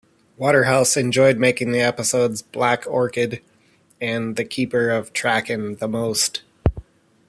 Waterhouse enjoyed making the episodes 'Black Orchid' and 'The Keeper of Traken' the most.